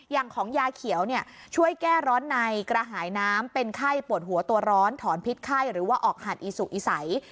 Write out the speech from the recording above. อย่างของยาเขียวเนี่ยช่วยแก้ร้อนในกระหายน้ำเป็นไข้ปวดหัวตัวร้อนถอนพิษไข้หรือว่าออกหัดอีสุอีใส